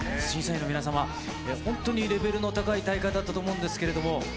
審査員の皆様、本当にレベルの高い大会だったと思うんですけれども。